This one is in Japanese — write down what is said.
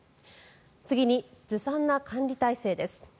次に、ずさんな管理体制です。